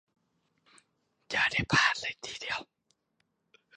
อย่าได้พลาดเลยทีเดียว